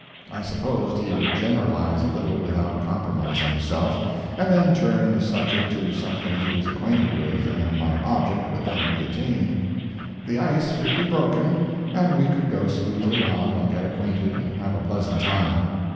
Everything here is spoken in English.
I supposed he would generalize a little without compromising himself, and then turn the subject to something he was acquainted with, and my object would then be attained; the ice would be broken, and we could go smoothly on, and get acquainted, and have a pleasant time.